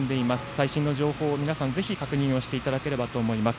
最新の情報を皆さんぜひ確認していただければと思います。